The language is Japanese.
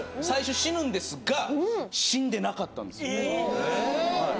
最初死ぬんですが死んでなかったんですよえっ？